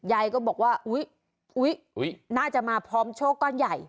ยายก็บอกว่าอุ๊ยน่าจะมาพร้อมโชคก้อนใหญ่